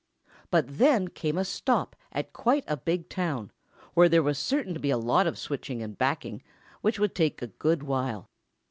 But then came a stop at quite a big town, where there was certain to be a lot of switching and backing, which would take a good while.